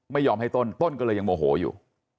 ไม่ยอมให้ต้นต้นก็เลยยังโมโหอยู่